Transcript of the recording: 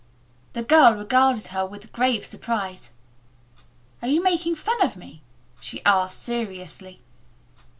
The girl regarded her with grave surprise. "Are you making fun of me?" she asked seriously.